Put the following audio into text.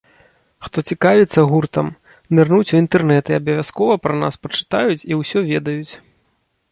Хто цікавіцца гуртом, нырнуць у інтэрнэт і абавязкова пра нас пачытаюць і ўсё ведаюць.